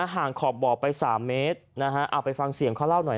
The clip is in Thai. ขอบบ่อไป๓เมตรนะฮะเอาไปฟังเสียงเขาเล่าหน่อย